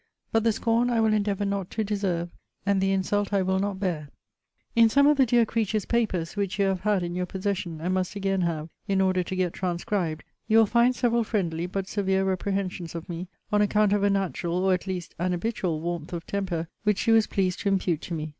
But the scorn I will endeavour not to deserve; and the insult I will not bear. In some of the dear creature's papers which you have had in your possession, and must again have, in order to get transcribed, you will find several friendly, but severe reprehensions of me, on account of a natural, or, at least, an habitual, warmth of temper, which she was pleased to impute to me.